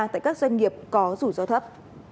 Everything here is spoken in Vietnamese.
do doanh nghiệp có rủi ro thấp